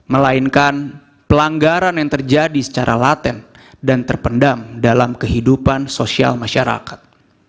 melainkan pelanggaran yang terjadi secara laten dan terpendam dalam kehidupan sosial masyarakat